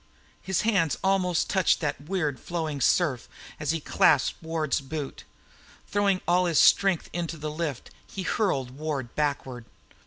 His hands almost touched that weird, flowing surf as they clasped Ward's boot. Throwing all his strength into the lift, he hurled Ward backward.